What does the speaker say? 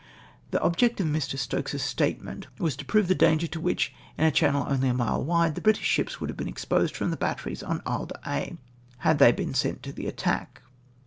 The object of Mr. Stokes's statement was to prove the danger to which, in a channel otily a mile wide, the British ships would have been ex posed from the batteries on He d'Aix had they been sent to the attack.